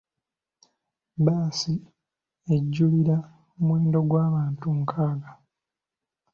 Bbaasi ejjulira omuwendo gw'abantu nkaaga.